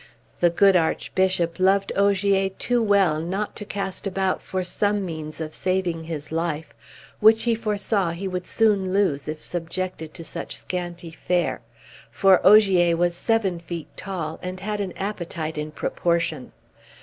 The good Archbishop loved Ogier too well not to cast about for some means of saving his life, which he foresaw he would soon lose if subjected to such scanty fare, for Ogier was seven feet tall, and had an appetite in proportion.